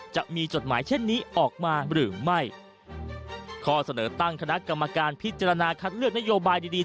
จดหมายเช่นนี้ออกมาหรือไม่ข้อเสนอตั้งคณะกรรมการพิจารณาคัดเลือกนโยบายดีดี